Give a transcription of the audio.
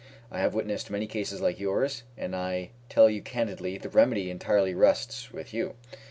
I have witnessed many cases like yours, and I tell you candidly the remedy entirely rests with you.